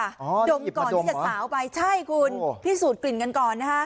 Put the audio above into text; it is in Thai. ดมก่อนที่จะสาวไปใช่คุณพิสูจนกลิ่นกันก่อนนะฮะ